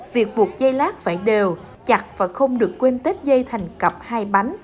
việc buộc dây lát phải đều chặt và không được quên tết dây thành cặp hai bánh